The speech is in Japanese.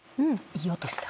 いい音した。